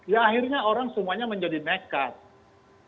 ya akhirnya orang semuanya menjadi nekat